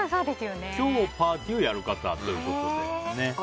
今日パーティーをやる方ということで。